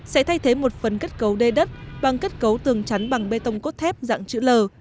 sẽ thay thế một phần kết cấu đê đất bằng kết cấu tường chắn bằng bê tông cốt thép dạng chữ l